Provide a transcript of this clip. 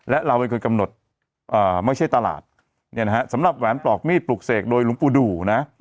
และเราเป็นคนกำหนดไม่ใช่ตลาดเนี่ยนะฮะสำหรับแหวนปลอกมีดปลูกเสกโดยหลวงปู่ดูนะ